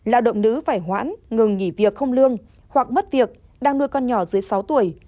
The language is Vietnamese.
lao động nữ phải hoãn ngừng nghỉ việc không lương hoặc mất việc đang nuôi con nhỏ dưới sáu tuổi